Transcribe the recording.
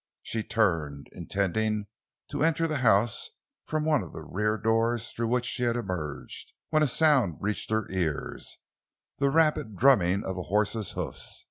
She turned, intending to enter the house from one of the rear doors through which she had emerged, when a sound reached her ears—the rapid drumming of a horse's hoofs.